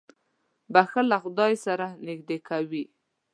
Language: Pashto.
• بښل له خدای سره نېږدې کوي.